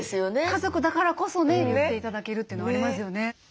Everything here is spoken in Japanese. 家族だからこそね言って頂けるというのありますよね。